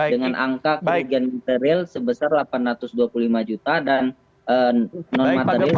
dengan angka kerugian material sebesar delapan ratus dua puluh lima juta dan non material